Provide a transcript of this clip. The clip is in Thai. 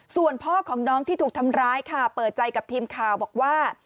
ส่วนพ่อของน้องที่ถูกทำร้ายค่ะเปิดใจกับทีมข่าวบอกว่า